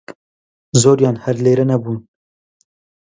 زۆریان هەر لێرە نەبوون